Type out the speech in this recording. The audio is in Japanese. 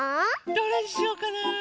どれにしようかな。